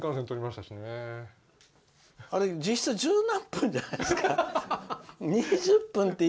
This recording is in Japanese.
あれ実質十何分じゃないですかね。